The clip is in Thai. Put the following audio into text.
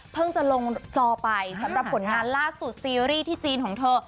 จะลงจอไปสำหรับผลงานล่าสุดซีรีส์ที่จีนของเธอ